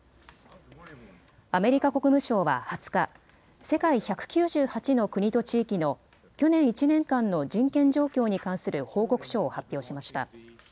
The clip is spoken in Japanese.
アメリカ国務省は２０日、世界１９８の国と地域の去年１年間の人権状況に関する報告書を発表しました。